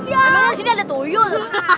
di sini ada tuyul